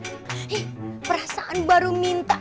eh perasaan baru minta